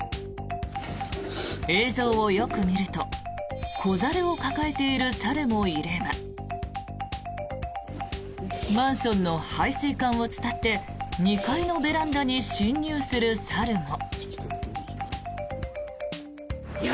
映像をよく見ると子猿を抱えている猿もいればマンションの排水管を伝って２階のベランダに侵入する猿も。